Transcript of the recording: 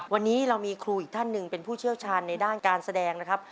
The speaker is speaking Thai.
วันนี้เรามีครูอีกท่านหนึ่งเป็นผู้เชี่ยวชาญในด้านการแสดงนะครับ